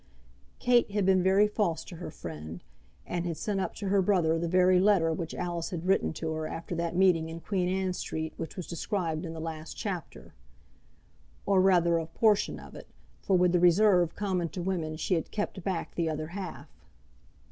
Kate had been very false to her friend, and had sent up to her brother the very letter which Alice had written to her after that meeting in Queen Anne Street which was described in the last chapter, or rather a portion of it, for with the reserve common to women she had kept back the other half.